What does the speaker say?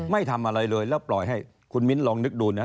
ไม่ทำอะไรเลยแล้วปล่อยให้คุณมิ้นลองนึกดูนะ